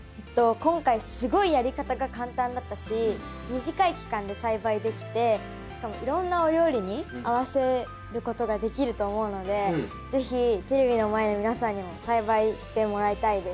今回すごいやり方が簡単だったし短い期間で栽培できてしかもいろんなお料理に合わせることができると思うので是非テレビの前の皆さんにも栽培してもらいたいです。